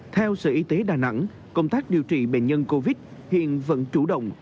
theo sở y tế đà nẵng công tác điều trị bệnh nhân covid hiện vẫn chủ động